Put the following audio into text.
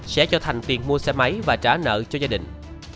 sẽ cho thành tiền mua xe máy và trả nợ cho gia đình